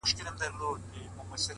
ته چیري تللی یې اشنا او زندګي چیري ده،